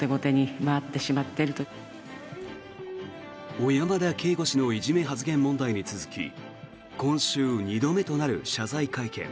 小山田圭吾氏のいじめ発言問題に続き今週２度目となる謝罪会見。